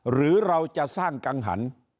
หรือเราจะสร้างกังหัน